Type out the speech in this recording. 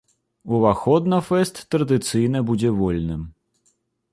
Уваход на фэст традыцыйна будзе вольным.